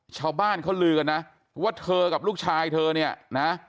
ชาวบ้านเขาลือกันนะว่าเธอกับลูกชายเธอเนี่ยนะ